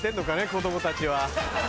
子供たちは。